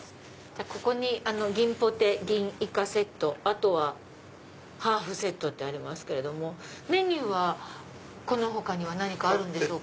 ここに「吟ぽて吟いかセット」「ハーフセット」とありますけどメニューはこの他には何かあるんでしょうか？